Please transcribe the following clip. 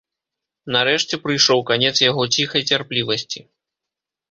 Нарэшце прыйшоў канец яго ціхай цярплівасці.